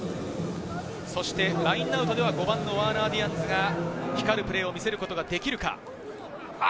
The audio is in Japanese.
そしてラインアウトでは５番のワーナー・ディアンズが光るプレーを見せることができるか。